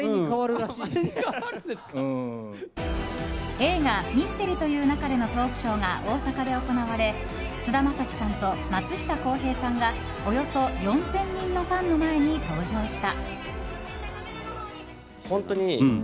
映画「ミステリと言う勿れ」のトークショーが大阪で行われ菅田将暉さんと松下洸平さんがおよそ４０００人のファンの前に登場した。